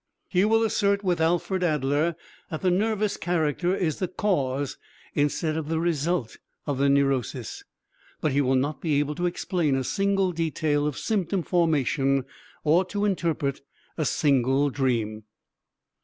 He will assert with Alfred Adler that the "nervous character" is the cause instead of the result of the neurosis, but he will not be able to explain a single detail of symptom formation or to interpret a single dream.